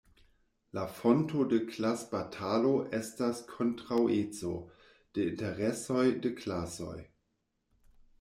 La fonto de klasbatalo estas kontraŭeco de interesoj de klasoj.